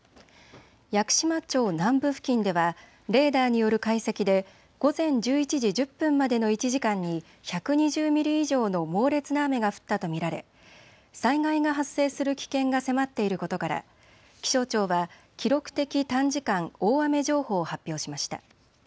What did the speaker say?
屋久島町南部付近ではレーダーによる解析で午前１１時１０分までの１時間に１２０ミリ以上の猛烈な雨が降ったと見られ災害が発生する危険が迫っていることから気象庁は記録的短時間大雨情報を発表しました。